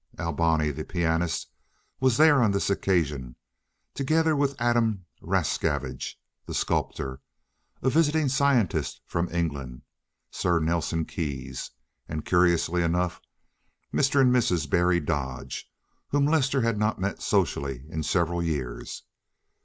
Alboni, the pianist, was there on this occasion, together with Adam Rascavage, the sculptor, a visiting scientist from England, Sir Nelson Keyes, and, curiously enough, Mr. and Mrs. Berry Dodge, whom Lester had not met socially in several years.